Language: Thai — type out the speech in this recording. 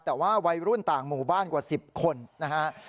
แต่ว่าวัยรุ่นต่างหมู่บ้านกว่า๑๐คนนะฮะ